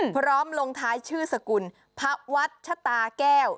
ลงท้ายชื่อสกุลพระวัดชะตาแก้ว